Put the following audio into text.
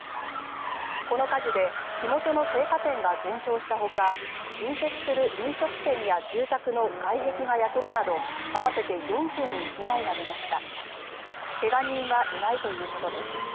この火事で火元の青果店が全焼したほか隣接する飲食店や住宅の外壁が焼けるなど合わせて４軒に被害が出ました。